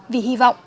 vì hiểu không